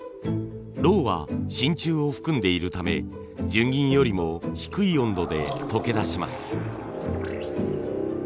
ロウは真鍮を含んでいるため純銀よりも低い温度で溶け出します。